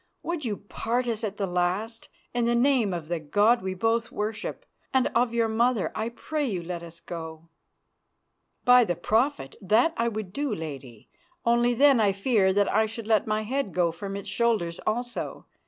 Would you part us at the last? In the name of the God we both worship, and of your mother, I pray you let us go." "By the Prophet, that I would do, Lady, only then I fear me that I should let my head go from its shoulders also.